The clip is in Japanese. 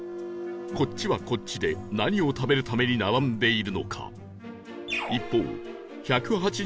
こっちはこっちで何を食べるために並んでいるのか？